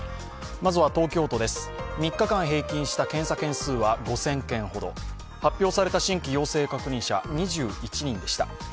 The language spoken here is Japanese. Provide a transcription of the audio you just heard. まずは東京都です、３日間平均した検査件数は５０００件ほど、発表された新規陽性確認者２１人でした。